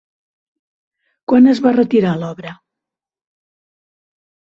Quan es va retirar l'obra?